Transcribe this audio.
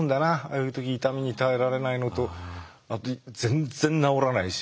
あいう時痛みに耐えられないのとあと全然治らないし。